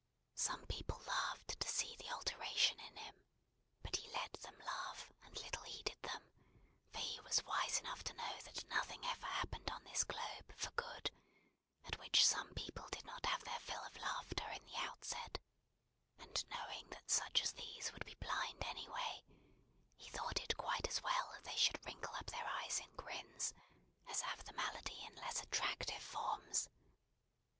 Some people laughed to see the alteration in him, but he let them laugh, and little heeded them; for he was wise enough to know that nothing ever happened on this globe, for good, at which some people did not have their fill of laughter in the outset; and knowing that such as these would be blind anyway, he thought it quite as well that they should wrinkle up their eyes in grins, as have the malady in less attractive forms.